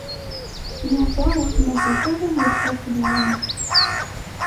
Yuba ur t-mazal ara yerfa fell-am.